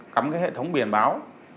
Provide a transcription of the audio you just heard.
cắm cái hệ thống biển báo